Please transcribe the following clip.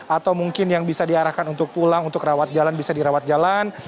atau mungkin yang bisa diarahkan untuk pulang untuk rawat jalan bisa dirawat jalan